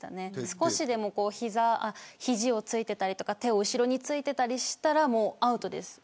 少しでもひじをついてたり手を後ろについてたりしたらアウトです。